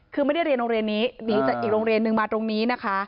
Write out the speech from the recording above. คือไม่ได้เรียนโรงเรียนนี้หนีจากอีกโรงเรียนนึงมาตรงนี้นะคะ